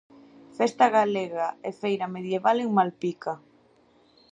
Festa galega e feira medieval en Malpica.